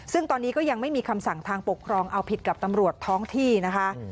ซึ่งตอนนี้ก็ยังไม่มีคำสั่งทางปกครองเอาผิดกับตำรวจท้องที่นะคะ